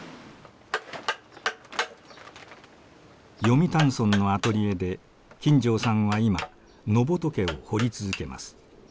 読谷村のアトリエで金城さんは今野仏を彫り続けます。